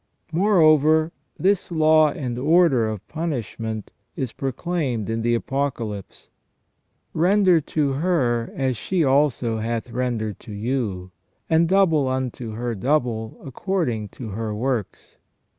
Moreover, this law and order of punishment is proclaimed in the Apocalypse :" Render to her, as she also hath rendered to you ; and double unto her double according to her works.